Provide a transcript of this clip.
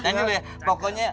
lanjut ya pokoknya